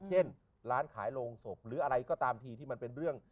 เช่นร้านขายโรงศพหรืออะไรก็ตามทีที่มันเป็นเรื่อง